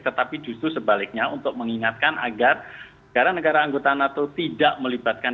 tetapi justru sebaliknya untuk mengingatkan agar negara negara anggota nato tidak melibatkan